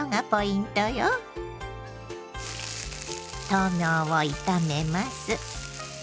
豆苗を炒めます。